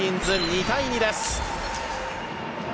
２対２です。